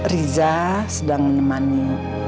riza sedang menemani